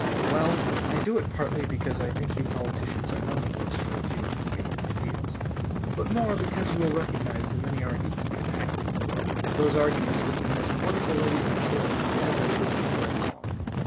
Well, I do it partly because I think you politicians are none the worse for a few inconvenient ideals; but more because you will recognise the many arguments we have had, those arguments which the most wonderful ladies in the world can never endure for very long.